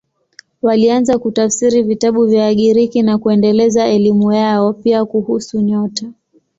Walianza kutafsiri vitabu vya Wagiriki na kuendeleza elimu yao, pia kuhusu nyota.